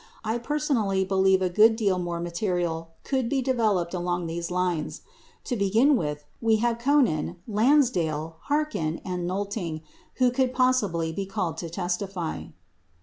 I personally believe a good deal more material could be developed along these lines. To begin with, we have Conein, Lansdale, Harkins, and Xolting who could possibly be called to testify.